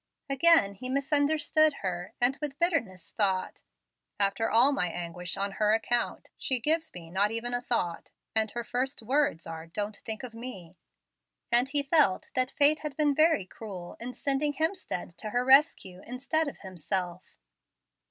Again he misunderstood her, and with bitterness thought, "After all my anguish on her account, she gives me not even a thought, and her first words are, 'Don't think of me';" and he felt that fate had been very cruel in sending Hemstead to her rescue instead of himself.